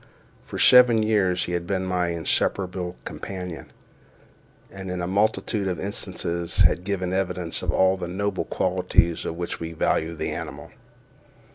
For seven years he had been my inseparable companion, and in a multitude of instances had given evidence of all the noble qualities for which we value the animal.